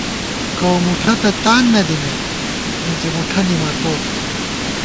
کَؤمُٹھہ تہ تان نہ دِمېت ، اِنزی مُٹھہ نِمَتوت